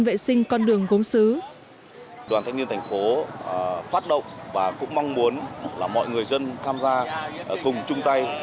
vệ sinh con đường gốm xứ